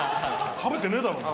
食べてねえだろ、お前。